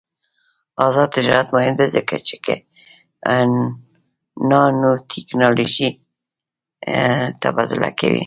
آزاد تجارت مهم دی ځکه چې نانوټیکنالوژي تبادله کوي.